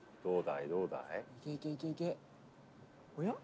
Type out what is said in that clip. どうだい？」